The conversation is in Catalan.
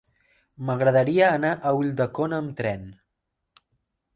M'agradaria anar a Ulldecona amb tren.